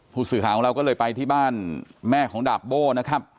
ผู้สื่อข่าวของเราก็เลยไปที่บ้านแม่ของดาบโบ้นะครับ